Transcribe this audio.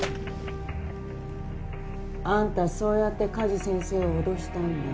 あんたそうやって加地先生を脅したんだ。